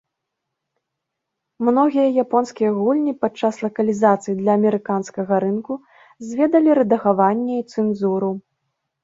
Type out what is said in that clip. Многія японскія гульні падчас лакалізацыі для амерыканскага рынку зведалі рэдагаванне і цэнзуру.